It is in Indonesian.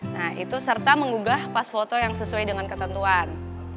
nah itu serta menggugah pas foto yang sesuai dengan ketentuan